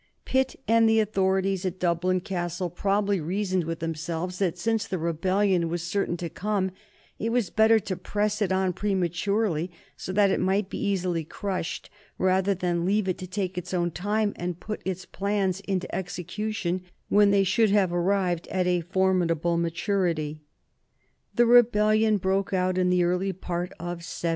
Pitt and the authorities at Dublin Castle probably reasoned with themselves that since the rebellion was certain to come it was better to press it on prematurely, so that it might be easily crushed, rather than leave it to take its own time and put its plans into execution when they should have arrived at a formidable maturity. [Sidenote: 1798 Father John Murphy and Miles Byrne] The rebellion broke out in the early part of 1798.